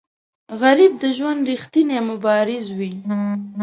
غریب د ژوند ریښتینی مبارز وي